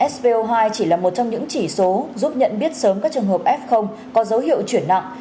so hai chỉ là một trong những chỉ số giúp nhận biết sớm các trường hợp f có dấu hiệu chuyển nặng